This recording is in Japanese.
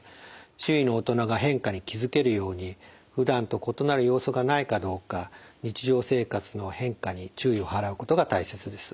周囲の大人が変化に気付けるようにふだんと異なる様子がないかどうか日常生活の変化に注意を払うことが大切です。